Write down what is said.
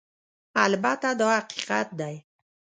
البته دا حقیقت دی